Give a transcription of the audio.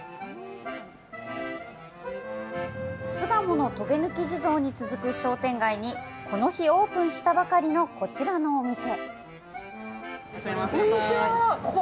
巣鴨のとげぬき地蔵に続く商店街に、この日、オープンしたばかりのこちらのお店。